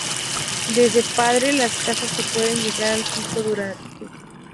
Desde Padre Las Casas se puede llegar al Pico Duarte.